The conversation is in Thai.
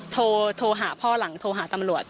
โทรหาพ่อหลังโทรหาตำรวจ